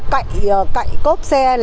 cậy cốp xe